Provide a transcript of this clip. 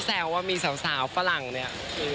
ขอแสวว่ามีสาวสาวฝรั่งเนี่ย